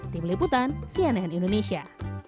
tim liputan cnn indonesia